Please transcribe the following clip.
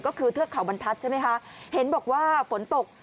ก็คือเทือกเขาบรรทัศน์ใช่ไหมคะเห็นบอกว่าฝนตก